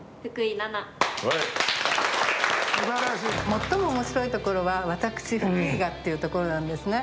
最も面白いところは「私福井が」っていうところなんですね。